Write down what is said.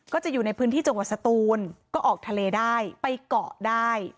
ก็จะอยู่ในพื้นที่จังหวัดสตูนก็ออกทะเลได้ไปเกาะได้